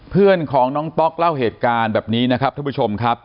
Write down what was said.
เพื่อนของน้องต๊อกเล่าเหตุการณ์แบบนี้นะครับท่านผู้ชมครับ